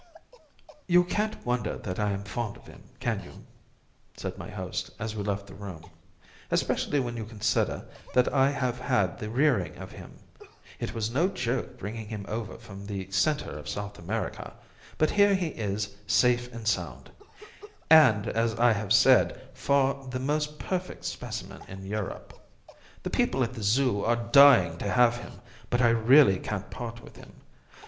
"You can't wonder that I am fond of him, can you?" said my host, as we left the room, "especially when you consider that I have had the rearing of him. It was no joke bringing him over from the centre of South America; but here he is safe and sound and, as I have said, far the most perfect specimen in Europe. The people at the Zoo are dying to have him, but I really can't part with him.